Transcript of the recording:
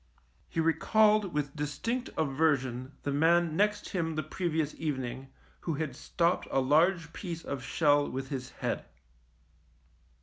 He recalled with dis tinct aversion the man next him the previous evening who had stopped a large piece of shell with his head.